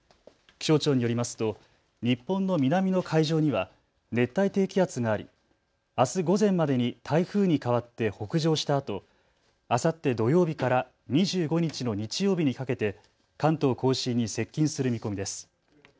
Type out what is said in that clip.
気象庁によりますと日本の南の海上には熱帯低気圧がありあす午前までに台風に変わって北上したあと、あさって土曜日から２５日の日曜日にかけて関東甲信に接近する見込みです。